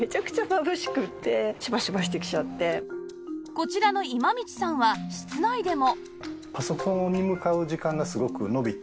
こちらの今道さんは室内でも